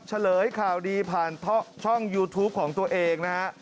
เฉลยข่าวดีผ่านช่องยูทูปของตัวเองนะฮะ